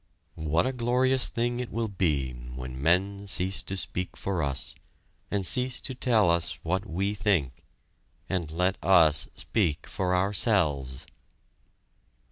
What a glorious thing it will be when men cease to speak for us, and cease to tell us what we think, and let us speak for ourselves!